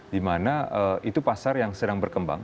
dimana itu pasar yang sedang berkembang